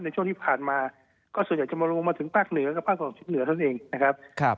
ในช่วงที่ผ่านมาก็ส่วนใหญ่จะลงมาถึงปากเหนือแล้วก็ปากส่วนของชิ้นเหนือเท่านั้นเองนะครับ